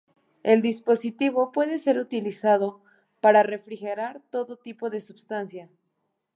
El dispositivo puede ser utilizado para refrigerar todo tipo de substancia.